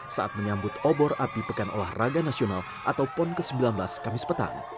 saat menyambut obor api pekan olahraga nasional atau pon ke sembilan belas kamis petang